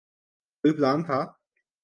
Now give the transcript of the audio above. کوئی پلان تھا۔